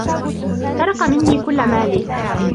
سرق مني كل مالي.